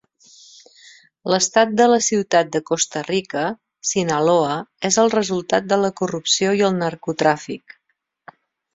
L'estat de la ciutat de Costa Rica (Sinaloa) és el resultat de la corrupció i el narcotràfic.